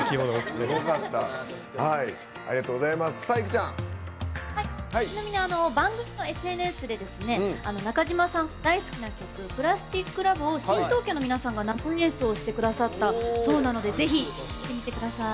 ちなみに番組のＳＮＳで中島さん大好きな曲「プラスティック・ラブ」を新東京の皆さんが生演奏してくださったそうなのでぜひ、チェックしてみてください。